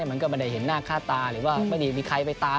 มันก็ไม่ได้เห็นหน้าค่าตาหรือว่าไม่ได้มีใครไปตาม